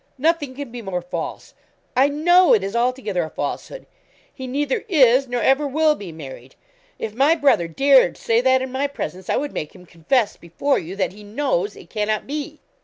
Nothing can be more false. I know it is altogether a falsehood. He neither is nor ever will be married. If my brother dared say that in my presence, I would make him confess, before you, that he knows it cannot be.